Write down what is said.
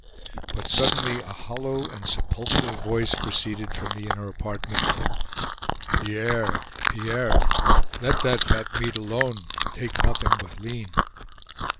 But suddenly a hollow and sepulchral voice proceeded from the inner apartment: "Pierre! Pierre! Let that fat meat alone! Take nothing but lean!"